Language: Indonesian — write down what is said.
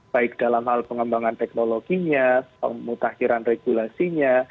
baik dalam hal pengembangan teknologinya pemutakhiran regulasinya